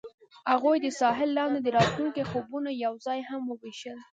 هغوی د ساحل لاندې د راتلونکي خوبونه یوځای هم وویشل.